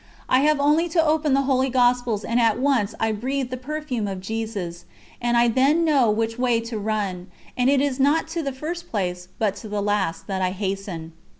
I have only to open the Holy Gospels and at once I breathe the perfume of Jesus, and then I know which way to run; and it is not to the first place, but to the last, that I hasten.